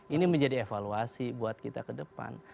ini menjadi evaluasi buat kita kedepan